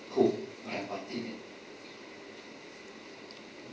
พูดแค่พอที่นี่